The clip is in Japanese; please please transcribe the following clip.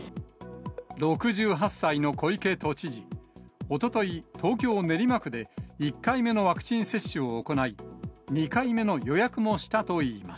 ６８歳の小池都知事、おととい、東京・練馬区で、１回目のワクチン接種を行い、２回目の予約もしたといいます。